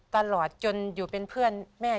ตลอดจนอยู่เป็นเพื่อนแม่